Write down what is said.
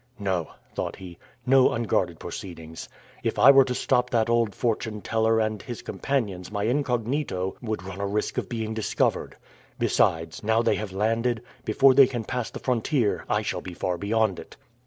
"No," thought he, "no unguarded proceedings. If I were to stop that old fortune teller and his companions my incognito would run a risk of being discovered. Besides, now they have landed, before they can pass the frontier I shall be far beyond it.